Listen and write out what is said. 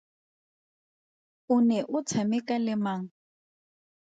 O ne o tshameka le mang?